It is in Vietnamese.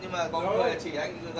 để em xuống gọi nhé